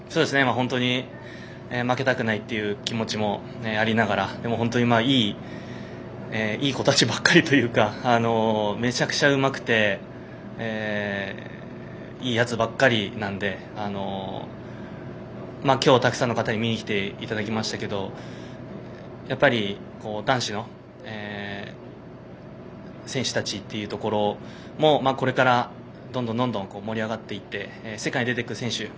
本当に負けたくないという気持ちもありながらいい子たちばかりというかめちゃくちゃうまくていいやつばかりなので今日、たくさんの方に見ていただきましたけどやっぱり男子の選手たちというところもこれから、どんどん盛り上がっていって世界へ出ていく選手。